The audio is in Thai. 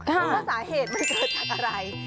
ว่าสาเหตุมันเกิดจากอะไร